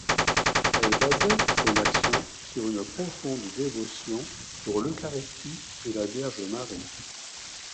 Elle basait son action sur une profonde dévotion pour l'Eucharistie et la Vierge Marie.